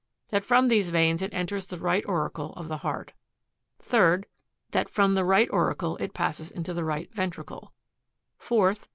That from these veins it enters the right auricle of the heart ; 3rd. That from the right auricle it passes into the right ventricle ; 4th.